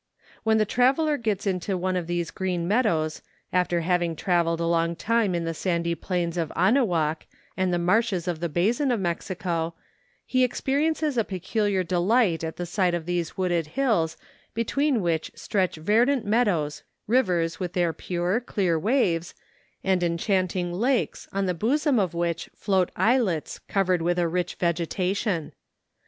When the traveller gets into one of these green meadows, after having tra¬ velled a long time in the sandy plains of Anahuac and the marshes of the basin of Mexico, he expe¬ riences a peculiar delight at the sight of these wooded hills between which stretch verdant mea¬ dows, rivers with their pure, clear waves, and en¬ chanting lakes on the bosom of which float islets covered with a rich vegetation.